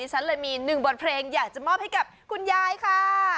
ฉันเลยมีหนึ่งบทเพลงอยากจะมอบให้กับคุณยายค่ะ